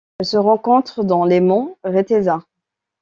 Elle se rencontre dans les monts Retezat.